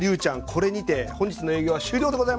これにて本日の営業は終了でございます！